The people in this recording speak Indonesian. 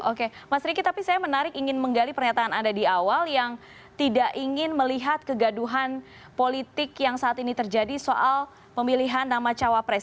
oke mas riki tapi saya menarik ingin menggali pernyataan anda di awal yang tidak ingin melihat kegaduhan politik yang saat ini terjadi soal pemilihan nama cawapres